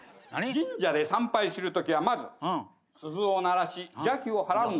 神社で参拝する時はまず鈴を鳴らし邪気を払うんだ。